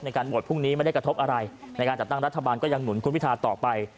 โหวตพรุ่งนี้ไม่ได้กระทบอะไรในการจัดตั้งรัฐบาลก็ยังหนุนคุณพิทาต่อไป